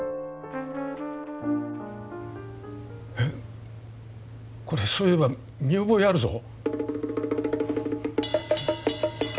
えっこれそういえば見覚えあるぞ。